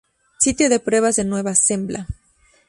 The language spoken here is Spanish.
Sitio de pruebas de Nueva Zembla